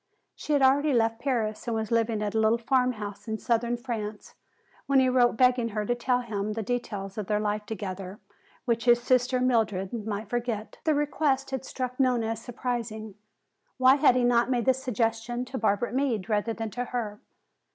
She had already left Paris and was living at the little farmhouse in southern France when he wrote begging her to tell him the details of their life together which his sister, Mildred, might forget. The request had struck Nona as surprising. Why had he not made the suggestion to Barbara Meade rather than to her?